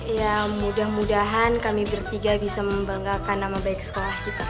ya mudah mudahan kami bertiga bisa membanggakan nama baik sekolah kita